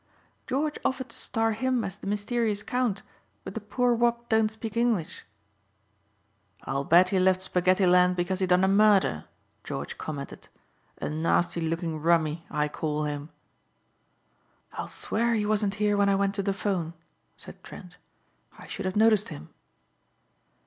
"George offered to star him as the mysterious count but the poor wop don't speak English." "I'll bet he left spaghetti land because he done a murder," George commented, "a nasty looking rummy I call him." "I'll swear he wasn't here when I went to the 'phone," said Trent. "I should have noticed him."